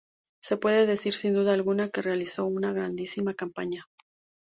Se puede decir sin duda alguna que realizó una grandísima campaña.